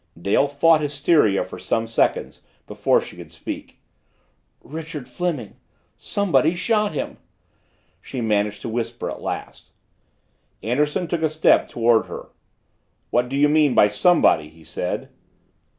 Dale fought hysteria for some seconds before she could speak. "Richard Fleming somebody shot him!" she managed to whisper at last. Anderson took a step toward her. "What do you mean by somebody?" he said.